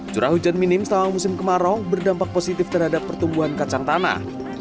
curah hujan minim selama musim kemarau berdampak positif terhadap pertumbuhan kacang tanah